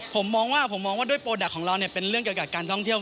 ผมมองว่าผมมองว่าด้วยโปรดักต์ของเราเป็นเรื่องเกี่ยวกับการท่องเที่ยว